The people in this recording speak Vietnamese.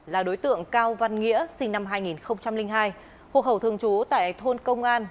là đối tượng cao văn nghĩa sinh năm hai nghìn hai hồ hậu thường trú tại thôn công an